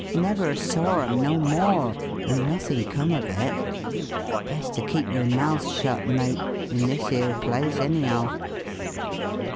Never saw 'em no more, and nothin' come of it.... Best to keep your mouth shut, mate. In this 'ere place, any'ow."